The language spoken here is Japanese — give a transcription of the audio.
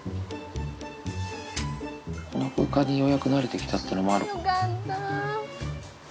この空間にようやくなれてきたっていうのもあるかな。